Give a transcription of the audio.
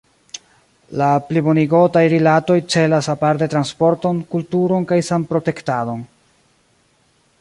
La plibonigotaj rilatoj celas aparte transporton, kulturon kaj sanprotektadon.